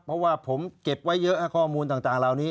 เพราะว่าผมเก็บไว้เยอะข้อมูลต่างเหล่านี้